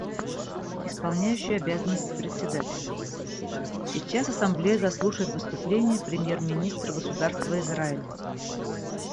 Исполняющий обязанности Председателя: Сейчас Ассамблея заслушает выступление премьер-министра Государства Израиль.